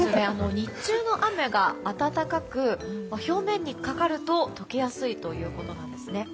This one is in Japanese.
日中の雨が温かく表面にかかると解けやすいということなんですね。